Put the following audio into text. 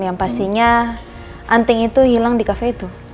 yang pastinya anting itu hilang di kafe itu